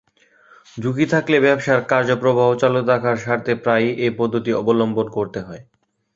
ঝুঁকি থাকলে ব্যবসার কার্য প্রবাহ চালু থাকার স্বার্থে প্রায়ই এ পদ্ধতি অবলম্বন করতে হয়।